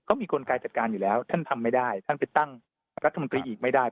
เขามีกลไกจัดการอยู่แล้วท่านทำไม่ได้ท่านไปตั้งรัฐมนตรีอีกไม่ได้